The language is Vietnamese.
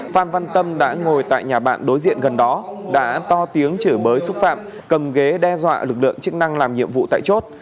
phan văn tâm đã ngồi tại nhà bạn đối diện gần đó đã to tiếng chửi bới xúc phạm cầm ghế đe dọa lực lượng chức năng làm nhiệm vụ tại chốt